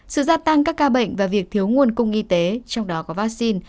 sự gia tăng các ca bệnh và việc thiếu nguồn cung y tế trong đó có vaccine